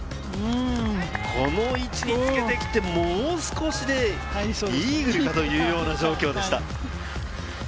この位置につけてきて、もう少しでイーグルか？というような状況でした。